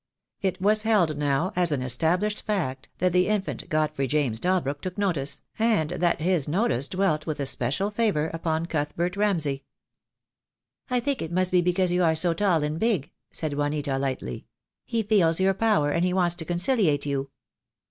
It was held now as an established fact that the infant Godfrey James Dalbrook took notice, and that his notice dwelt with especial favour upon Cuthbert Ramsay. "I think it must be because you are so tall and big," said Juanita lightly. "He feels your power, and he wants to conciliate you."